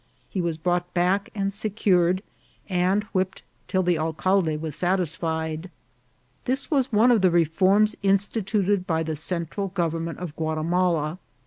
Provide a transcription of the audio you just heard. He was brought back and secured, and whipped till the alcalde was satisfied. This was one of the reforms in stituted by the Central government of Guatimala.